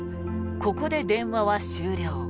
ここで電話は終了。